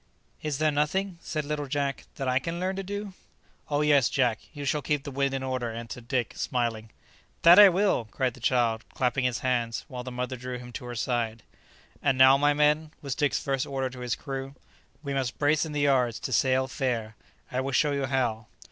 "Is there nothing," said little Jack, "that I can learn to do?" "Oh yes, Jack; you shall keep the wind in order," answered Dick, smiling. "That I will!" cried the child, clapping his hands, while the mother drew him to her side. "And now, my men," was Dick's first order to his crew, "we must brace in the yards to sail fair. I will show you how."